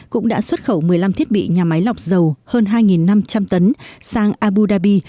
cũng đã xuất khẩu một mươi năm thiết bị nhà máy lọc dầu hơn hai năm trăm linh tấn sang abu dhabi